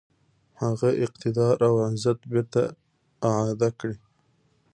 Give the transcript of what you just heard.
هغه اقتدار او عزت بیرته اعاده کړي.